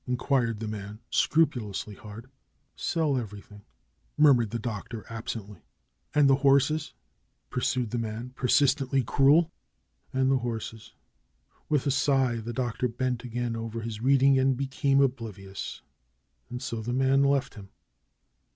inquired the man, scrupu lously hard. "Sell ever3rthing," murmured the Doctor absently. "And the horses?" pursued the man, persistently cruel. "And the horses." With a sigh the Doctor bent again over his reading and became oblivious. And so the man left him.